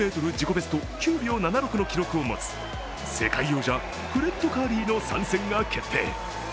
ベスト９秒７６の記録を持つ世界王者、フレッド・カーリーの参戦が決定。